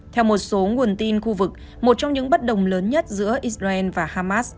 theo một số nguồn tin khu vực một trong những bất đồng lớn nhất giữa israel và hamas